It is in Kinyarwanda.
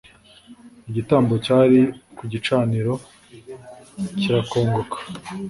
igitambo cyari ku gicaniro kirakongoka